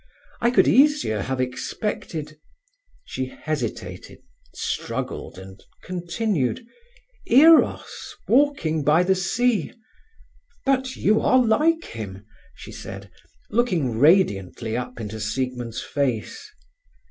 "I could easier have expected"—she hesitated, struggled, and continued—"Eros walking by the sea. But you are like him," she said, looking radiantly up into Siegmund's face.